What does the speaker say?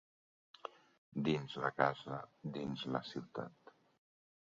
Dins la casa, dins la ciutat.